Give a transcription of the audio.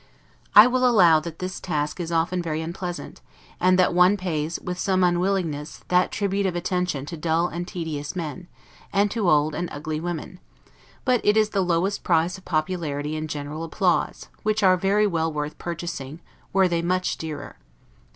I will allow that this task is often very unpleasant, and that one pays, with some unwillingness, that tribute of attention to dull and tedious men, and to old and ugly women; but it is the lowest price of popularity and general applause, which are very well worth purchasing were they much dearer.